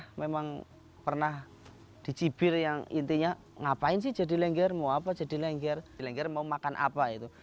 dulu saya pernah memang pernah dicipir yang intinya ngapain sih jadi lengger mau apa jadi lengger mau makan apa gitu